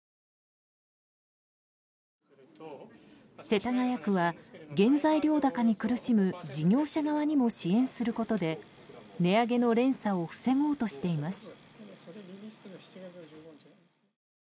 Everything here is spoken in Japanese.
世田谷区は原材料高に苦しむ事業者側にも支援することで値上げの連鎖を防ごうとしています。